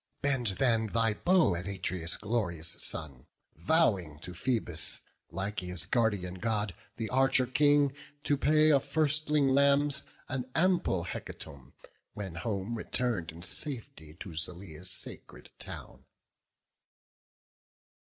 Bend then thy bow at Atreus' glorious son, Vowing to Phoebus, Lycia's guardian God, The Archer King, to pay of firstling lambs An ample hecatomb, when home return'd In safety to Zeleia's sacred town."